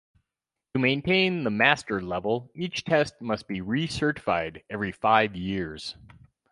To maintain the Master Level, each test must be recertified every five years.